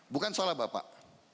bukan salah bapak